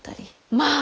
まあ！